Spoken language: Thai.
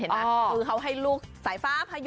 คือห้าให้ลูกใส่ฟ้าพายุ